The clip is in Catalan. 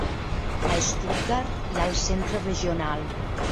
A Stuttgart hi ha el Centre Regional.